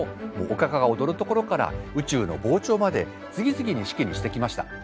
おかかが踊るところから宇宙の膨張まで次々に式にしてきました。